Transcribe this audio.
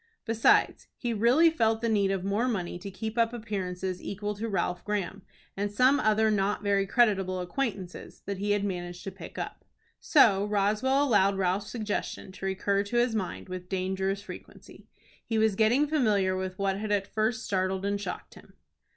Besides, he really felt the need of more money to keep up appearances equal to Ralph Graham, and some other not very creditable acquaintances that he had managed to pick up. So Roswell allowed Ralph's suggestion to recur to his mind with dangerous frequency. He was getting familiar with what had at first startled and shocked him.